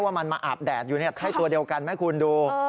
ว่ามันมาอาบแดดอยู่ใช่ตัวเดียวกันไหมคุณดู